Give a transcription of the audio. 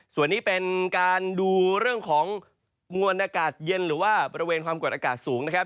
ส่วนนี้เป็นการดูเรื่องของมวลอากาศเย็นหรือว่าบริเวณความกดอากาศสูงนะครับ